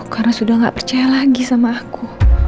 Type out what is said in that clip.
karena sudah gak percaya lagi sama aku